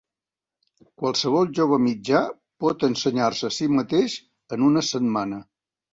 Qualsevol jove mitjà pot ensenyar-se a si mateix en una setmana.